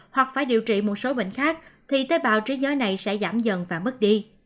hoặc phải điều trị một số bệnh khác thì tế bào trí giới này sẽ giảm dần và mất đi